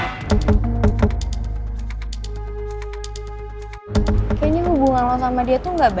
kayaknya hubungan lo sama dia tuh gak berbeda